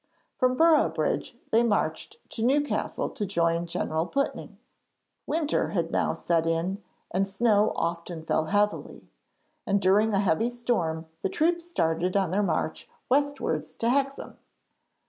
From Boroughbridge they marched to Newcastle to join General Pulteney. Winter had now set in, and snow often fell heavily, and during a heavy storm the troops started on their march westwards to Hexham.